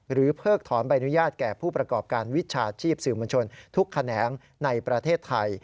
เพิกถอนใบอนุญาตแก่ผู้ประกอบการวิชาชีพสื่อมวลชนทุกแขนงในประเทศไทย